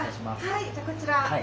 はいじゃあこちら。